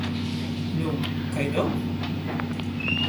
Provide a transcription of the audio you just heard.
Nu, kaj do!